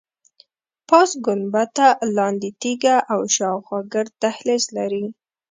پاس ګنبده، لاندې تیږه او شاخوا ګرد دهلیز لري.